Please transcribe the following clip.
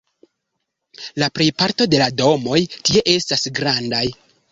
La plejparto de domoj tie estas grandaj.